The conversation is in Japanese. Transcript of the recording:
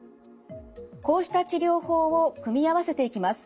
こうした治療法を組み合わせていきます。